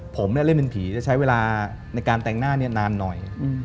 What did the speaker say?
ผมเล่นเป็นผีจะใช้เวลาในการแต่งหน้านานหน่อย